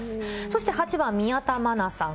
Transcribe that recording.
そして８番、宮田マナさん。